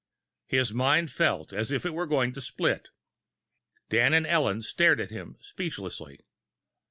His mind felt as if it were going to split. Dan and Ellen stared at him speechlessly.